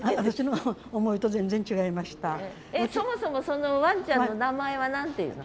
えっそもそもそのワンちゃんの名前は何ていうの？